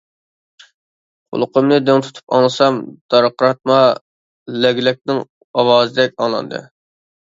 قۇلىقىمنى دىڭ تۇتۇپ ئاڭلىسام دارقىراتما لەگلەكنىڭ ئاۋازىدەك ئاڭلاندى.